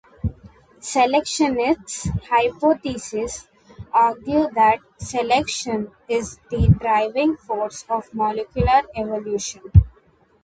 Selectionist hypotheses argue that selection is the driving force of molecular evolution.